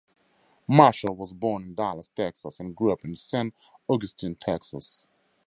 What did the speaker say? Marshall was born in Dallas, Texas and grew up in San Augustine, Texas.